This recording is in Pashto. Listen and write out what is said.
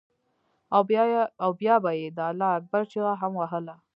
او بيا به یې د الله اکبر چیغه هم وهله.